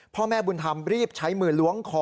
พ่อแม่บุญธรรมรีบใช้มือล้วงคอ